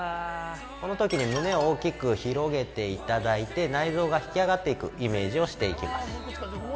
このときに胸を大きく広げていただいて内臓が引き上がっていくイメージをしていきます。